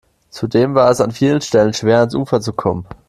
Zudem war es an vielen Stellen schwer, ans Ufer zu kommen.